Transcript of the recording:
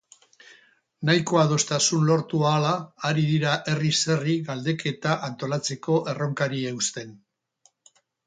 Nahikoa adostasun lortu ahala ari dira herriz herri galdeketa antolatzeko erronkari eusten.